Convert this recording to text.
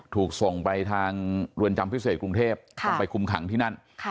ถูกส่งไปทางเรือนจำพิเศษกรุงเทพต้องไปคุมขังที่นั่น